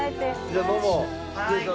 じゃあどうも。